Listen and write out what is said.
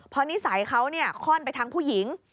เพราะนิสัยเขาเนี่ยคล่อนไปทั้งผู้หญิง